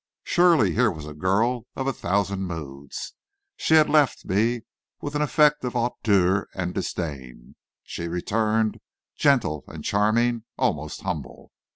Surely here was a girl of a thousand moods. She had left me with an effect of hauteur and disdain; she returned, gentle and charming, almost humble.